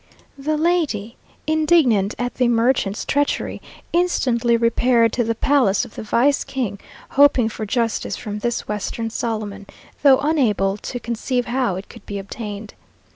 The Señora, indignant at the merchant's treachery, instantly repaired to the palace of the vice king hoping for justice from this Western Solomon, though unable to conceive how it could be obtained.